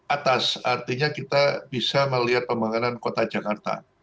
atas artinya kita bisa melihat pembangunan kota jakarta